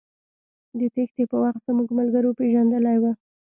د تېښتې په وخت زموږ ملګرو پېژندلى و.